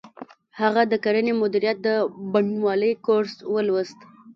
هغه د کرنې مدیریت د بڼوالۍ کورس ولوست